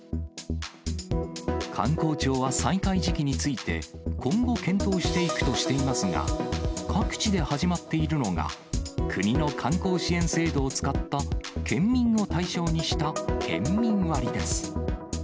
観光庁は再開時期について、今後検討していくとしていますが、各地で始まっているのが、国の観光支援制度を使った、県民を対象にした県民割です。